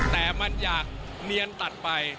แต่มันอยากเนียนตัดไป